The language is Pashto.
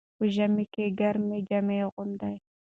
په ژمي کې ګرمې جامې اغوندئ.